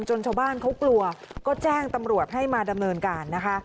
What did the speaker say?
ชาวบ้านเขากลัวก็แจ้งตำรวจให้มาดำเนินการนะคะ